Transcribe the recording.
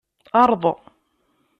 Erḍ.